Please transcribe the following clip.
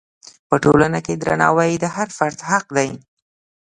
په ټولنه کې درناوی د هر فرد حق دی.